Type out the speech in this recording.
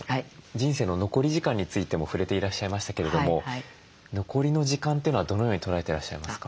人生の残り時間についても触れていらっしゃいましたけれども残りの時間というのはどのように捉えてらっしゃいますか？